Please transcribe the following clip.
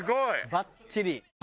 ばっちり。